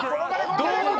どうだ？